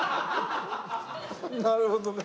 なるほどね。